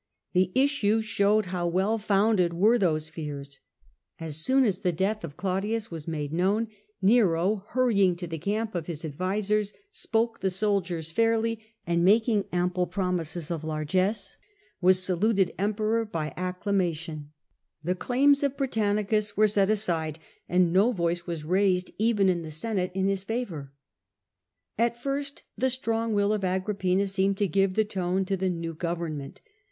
The issue showed how well founded w^ere those fears. As soon as the death of Claudius was made known, Nero, hurrying to the camp of his ad visers, spoke the soldiers fairly, and making ample pro be was mises of largess, was saluted Emperor by ac Emperor by clamation. The claims of Britannicus w'ere the soldiers, set aside, and no voice was raised even in the Senate in his favour. At first the strong will of Agrippina seemed to give the tone to the new government.